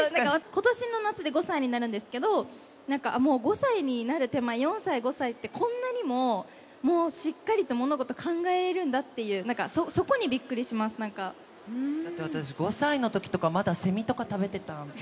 ことしの夏で５歳になるんですけど、なんかもう、５歳になる手前、４歳、５歳って、こんなにももうしっかりと物事考えるんだっていう、なんかそこにだって私、５歳のときとかまだセミとか食べてた。